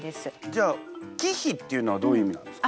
じゃあ貴妃っていうのはどういう意味なんですか？